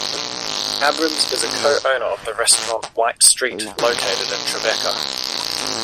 Abrams is a co-owner of the restaurant White Street, located in Tribeca.